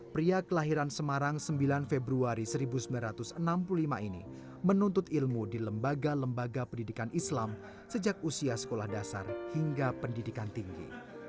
pria kelahiran semarang sembilan februari seribu sembilan ratus enam puluh lima ini menuntut ilmu di lembaga lembaga pendidikan islam sejak usia sekolah dasar hingga pendidikan tinggi